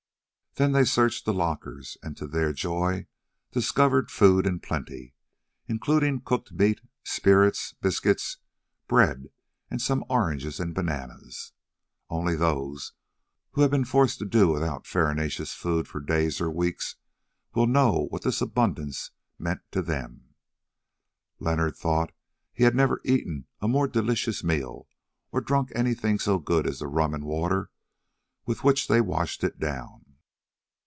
Then they searched the lockers and to their joy discovered food in plenty, including cooked meat, spirits, biscuits, bread, and some oranges and bananas. Only those who have been forced to do without farinaceous food for days or weeks will know what this abundance meant to them. Leonard thought that he had never eaten a more delicious meal, or drunk anything so good as the rum and water with which they washed it down.